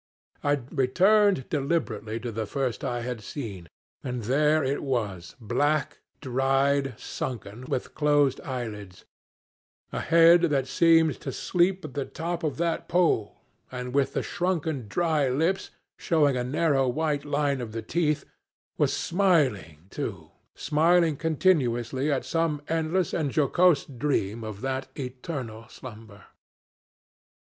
I returned deliberately to the first I had seen and there it was, black, dried, sunken, with closed eyelids, a head that seemed to sleep at the top of that pole, and, with the shrunken dry lips showing a narrow white line of the teeth, was smiling too, smiling continuously at some endless and jocose dream of that eternal slumber.